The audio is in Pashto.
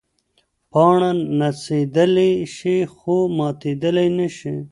پاڼه نڅېدلی شي خو ماتېدلی نه شي.